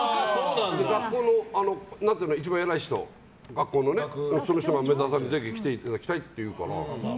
学校の一番偉い人が梅沢さんにぜひ来ていただきたいって言うから。